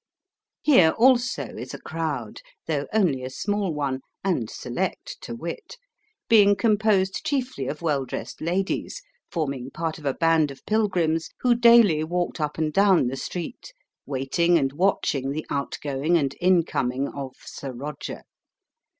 Here also is a crowd, though only a small one, and select to wit, being composed chiefly of well dressed ladies, forming part of a band of pilgrims who daily walked up and down the street, waiting and watching the outgoing and incoming of "Sir Roger."